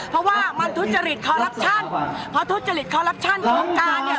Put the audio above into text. เพราะว่ามันทุจริตคอลลับชั่นเพราะทุจริตคอลลับชั่นของการเนี่ย